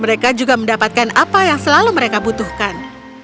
mereka juga mendapatkan apa yang selalu mereka butuhkan